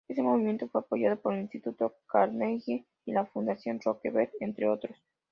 Este movimiento fue apoyado por el Instituto Carnegie y la Fundación Rockefeller entre otros.